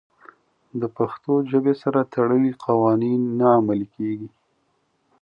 د پښتو ژبې سره تړلي قوانین نه عملي کېږي.